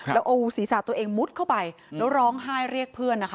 แล้วเอาศีรษะตัวเองมุดเข้าไปแล้วร้องไห้เรียกเพื่อนนะคะ